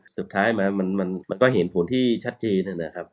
สุดท้ายมันก็เห็นผลที่ชัดเจนนะครับ